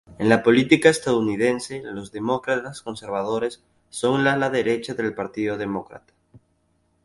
En la política estadounidense, los demócratas conservadores son el ala derecha del Partido Demócrata.